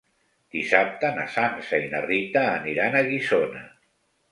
Dissabte na Sança i na Rita aniran a Guissona.